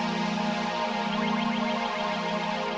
sampai jumpa lagi